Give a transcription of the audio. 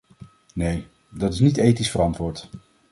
Nee, dat is niet ethisch verantwoord!